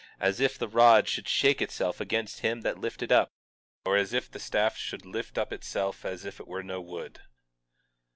As if the rod should shake itself against them that lift it up, or as if the staff should lift up itself as if it were no wood!